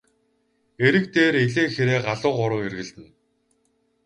Эрэг дээр элээ хэрээ галуу гурав эргэлдэнэ.